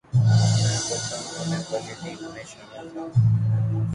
میں برتن دھونے والی ٹیم میں شامل تھا